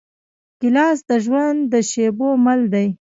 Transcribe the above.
ګیلاس د ژوند د شېبو مل دی.